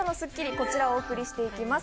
こちらをお送りしていきます。